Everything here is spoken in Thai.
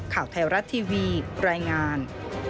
ข่าวไทยรัฐทีวีรายงาน